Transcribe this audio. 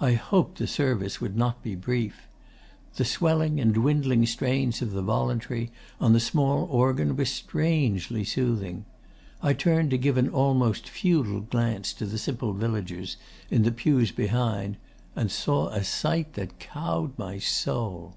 I hoped the Service would not be brief. The swelling and dwindling strains of the "voluntary" on the small organ were strangely soothing. I turned to give an almost feudal glance to the simple villagers in the pews behind, and saw a sight that cowed my soul.